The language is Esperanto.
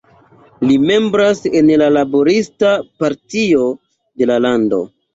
Li membras en la "Laborista Partio" de la lando.